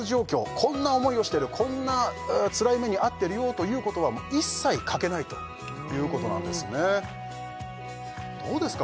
こんな思いをしてるこんなつらい目に遭ってるよということは一切書けないということなんですねどうですか？